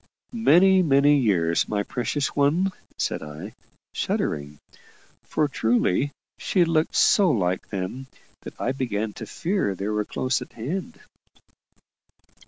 "Many, many years, my precious one," said I, shuddering; for truly she looked so like them, that I began to fear they were close at hand.